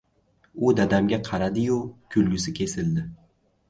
— U dadamga qaradi-yu kulgisi kesildi.